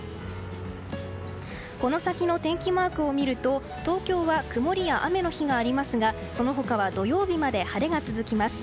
この先の天気マークを見ると東京は曇りや雨の日がありますがその他は土曜日まで晴れが続きます。